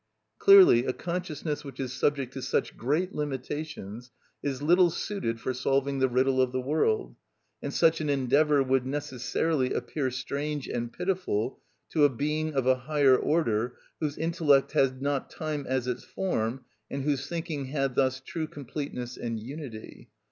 Clearly a consciousness which is subject to such great limitations is little suited for solving the riddle of the world; and such an endeavour would necessarily appear strange and pitiful to a being of a higher order whose intellect had not time as its form, and whose thinking had thus true completeness and unity.